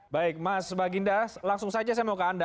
baik mas baginda langsung saja saya mau ke anda